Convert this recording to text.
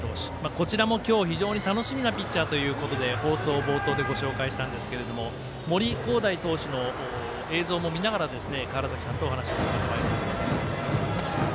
こちらも今日、非常に楽しみなピッチャーということで放送冒頭でご紹介したんですが森煌誠投手の映像も見ながら川原崎さんとお話を進めてまいります。